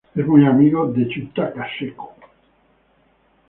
Él es muy amigo de Yutaka Seto.